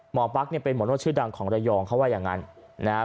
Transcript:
หมอปั๊กเป็นหมอโน้ตชื่อดังของระยองเขาว่าอย่างนั้น